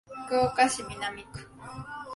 福岡市南区